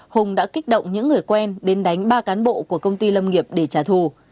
hùng đã kích động những người quen đến đánh ba cán bộ của công ty lâm nghiệp để trả thù